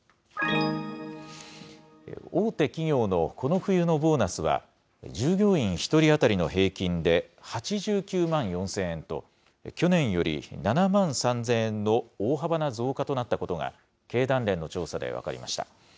大手企業のこの冬のボーナスは、従業員１人当たりの平均で８９万４０００円と、去年より７万３０００円の大幅な増加となったことが、経団連の調査で分かりました。